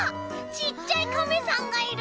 ちっちゃいカメさんがいる！